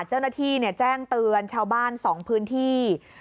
เจ้าหน้าที่แจ้งเตือนชาวบ้าน๒พื้นที่